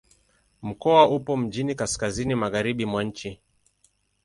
Mkoa upo mjini kaskazini-magharibi mwa nchi.